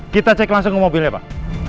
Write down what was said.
kita cek langsung ke mobilnya pak